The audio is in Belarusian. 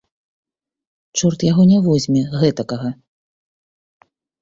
Чорт яго не возьме гэтакага.